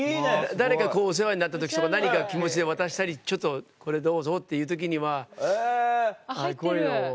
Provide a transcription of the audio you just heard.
誰かこうお世話になった時とか何か気持ちで渡したりちょっとこれどうぞっていう時にはこれを。